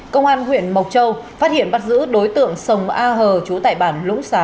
công an huyện mộc châu phát hiện bắt giữ đối tượng sông a hờ trú tại bản lũng xá